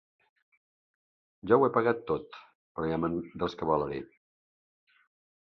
Jo ho he pagat tot, però ja me'n rescabalaré.